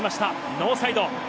ノーサイド。